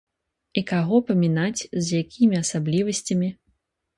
І каго памінаць, з якімі асаблівасцямі?